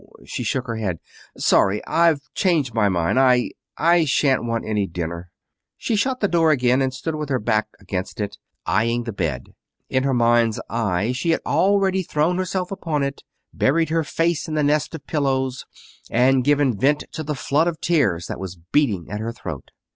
She shook her head. "Sorry I've changed my mind. I I shan't want any dinner." She shut the door again and stood with her back against it, eying the bed. In her mind's eye she had already thrown herself upon it, buried her face in the nest of pillows, and given vent to the flood of tears that was beating at her throat.